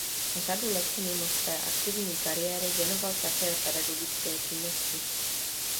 Řadu let se mimo své aktivní kariéry věnoval také pedagogické činnosti.